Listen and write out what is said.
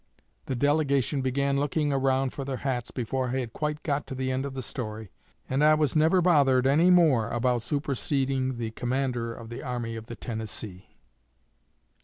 _' The delegation began looking around for their hats before I had quite got to the end of the story, and I was never bothered any more about superseding the commander of the Army of the Tennessee."